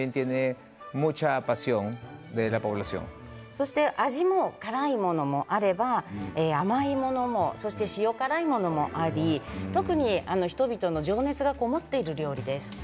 そして味も辛いものもあれば甘いものも、そして塩辛いものもあり特に人々の情熱が籠もっている料理です。